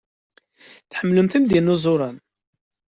Tḥemmlem idinuẓuren?